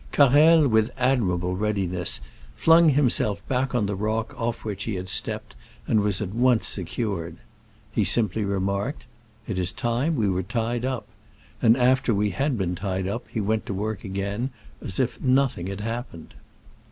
Carrel, with admirable readiness, flung himself back on to the rock off which he had stepped, and was at once se cured. He simply remarked, " It is time we were tied up,*' and after we had been tied up he went to work again as if nothing had happened.